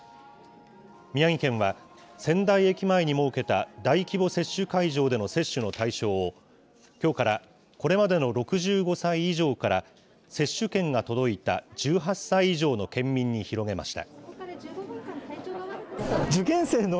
宮城県は、仙台駅前に設けた大規模接種会場での接種の対象を、きょうからこれまでの６５歳以上から接種券が届いた１８歳以上の県民に広げました。